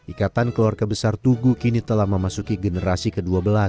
ikatan keluarga besar tugu kini telah memasuki generasi ke dua belas